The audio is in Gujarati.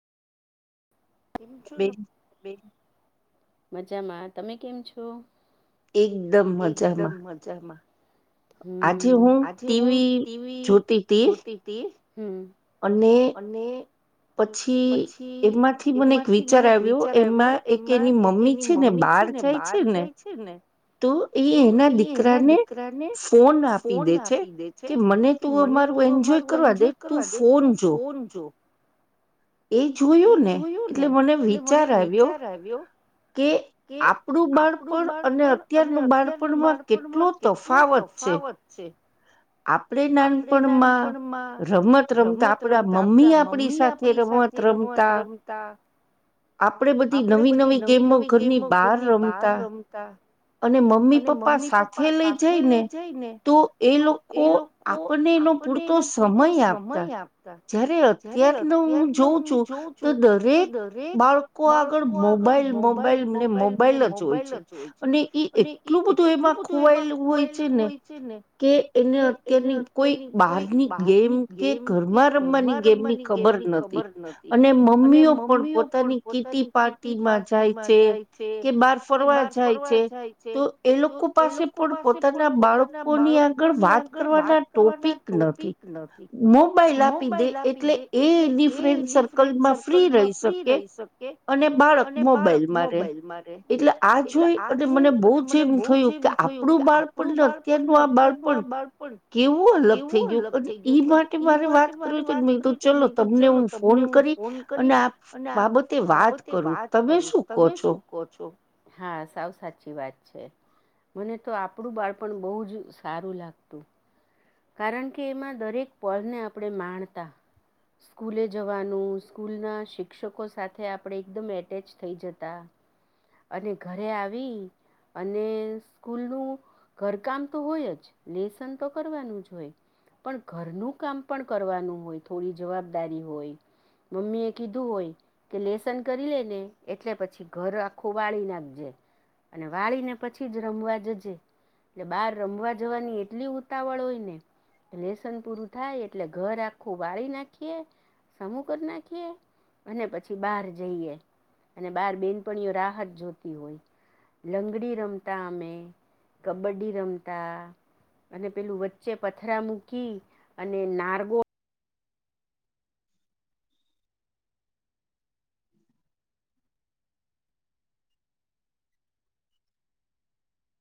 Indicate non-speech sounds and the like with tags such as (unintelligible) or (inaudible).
(unintelligible) તમે કેમ છો? એકદમ મજામાં. હમ! આજે હું ટીવી જોતી. ટી હમ અને. પછી, એમાંથી મને એક વિચાર આવ્યો. એમાં એક એની મમ્મી છે ને, બહાર જાય છે ને. તો એ એના દીકરાને ફોન આપી દે છે. કે મને તું અમારું એન્જોય કરવા દે. તું ફોન જો. એ જોયું ને, એટલે મને વિચાર આવ્યો. કે આપણું બાળપણ અને અત્યારનું બાળપણમાં. કેટલો તફાવત છે. આપણેે નાનપણમાં રમત રમત આપડા મમ્મી આપણી સાથે. તે રમત રમતા. આપણેે બધી નવી નવી ગેમો ઘરની બહાર રમતા. તા અને મમ્મી પપ્પા સાથે લઈ જઈ ને તો, એ લોકો. આપણને એનો પૂરતો સમય આપતા જ્યારે અત્યાર હું જોઉં છું. તો દરેક બાળકો આગળ મોબાઈલ મોબાઈલ ને મોબાઈલ જ હોય છે અને એટલું બધું એમાં ખોવાયેલું હોય છે ને. કે એને અત્યારની કોઈ બહારની ગેમ કે, ઘરમાં રમવાની ગેમ ની ખબર નથી. અને મમ્મીઓ પણ પોતાની કીટી પાર્ટી માં જાય છે. કે બહાર ફરવા જાય છે. તો એ લોકો પાસે પણ પોતાના બાળકોની આગળ વાત કરવાના ટોપિક નથી. મોબાઈલ આપી દે, એટલે એ એની ફ્રેન્ડ સર્કલમાં ફ્રી રહી શકે. અને બાળક મોબાઈલમાં રહેે. એટલે આ જોય અને મને. બહુ જ એમ થયું કે, આપણું બાળપણ ને અત્યારનું આ બાળપણ. કેવું અલગ થઈ ગયું. અને ઈ માટે મારે વાત કરવી હતી તો, ચલો તમને હું ફોન કરી. અને આ બાબતે વાત કરું તમે શું કહો છો? કહો છો? હા! સાવ સાચી વાત. છે મને તો આપડું બાળપણ બહુ જ સારું લાગતું. કારણ કે એમાં દરેક પળને આપણે માણતા. સ્કૂલે જવાનું સ્કૂલના શિક્ષકો સાથે આપડે એકદમ એટેચ થઈ જતા. અને ઘરે આવી અને સ્કૂલ નું ઘરકામ તો હોય જ. લેસન તો કર વાનું જ હોય. પણ ઘરનું કામ પણ કરવાનું હોય. થોડી જવાબદારી હોય. મમ્મી એ કીધું હોય કે લેસન કરી લે ને એટલે પછી ઘર આખું વાળી નાખજે. અને વાળીને પછી જ રમવા જજે. એટલે બહાર રમવા જવાની એટલી ઉ તાવળ હોયને, લેસન પૂરું થાય એટલે ઘર આખું વાળી નાખીએ. સમૂ કરી નાખીએ અને પછી બાર જઈએ. અને બાર બેનપણીઓ રાહ જ જોતી હોય. લંગડી રમતા અમે કબડ્ડી રમતા. અને પેલું વચ્ચે પથરા મૂકી અને નારગો